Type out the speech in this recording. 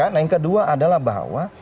nah yang kedua adalah bahwa